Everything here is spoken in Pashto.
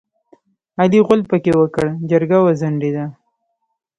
علي غول پکې وکړ؛ جرګه وځنډېده.